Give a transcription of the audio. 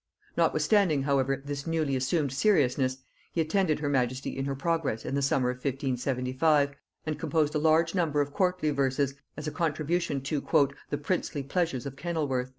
Notwithstanding however this newly assumed seriousness, he attended her majesty in her progress in the summer of 1575, and composed a large number of courtly verses as a contribution to "the princely pleasures of Kennelworth."